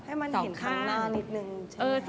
ฝั่งหน้านิดหนึ่งใช่ไหมคะ